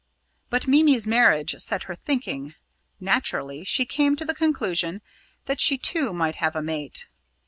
But Mimi's marriage set her thinking; naturally, she came to the conclusion that she too might have a mate.